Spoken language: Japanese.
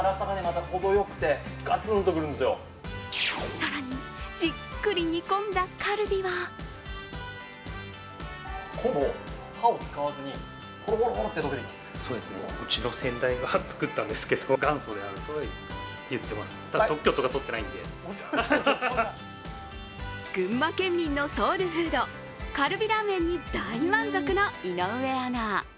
更にじっくり煮込んだカルビは群馬県民のソウルフードカルビラーメンに大満足の井上アナ。